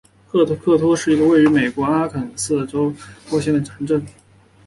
赫克托是一个位于美国阿肯色州波普县的城镇。